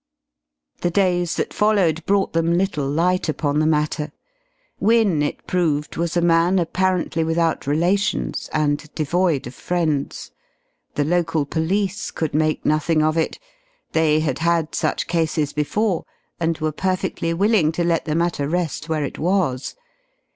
The days that followed brought them little light upon the matter. Wynne, it proved, was a man apparently without relations, and devoid of friends. The local police could make nothing of it. They had had such cases before, and were perfectly willing to let the matter rest where it was.